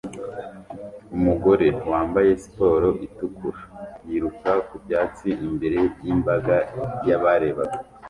Umugore wambaye siporo itukura yiruka ku byatsi imbere yimbaga yabarebaga